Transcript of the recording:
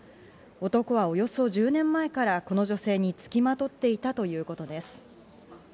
男は、およそ１０年前からこの女性につきまとっていたということです。